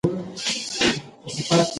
آیا کمپیوټر په سمه توګه روښانه شوی دی؟